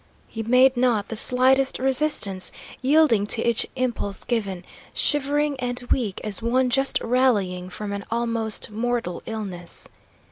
He made not the slightest resistance, yielding to each impulse given, shivering and weak as one just rallying from an almost mortal illness.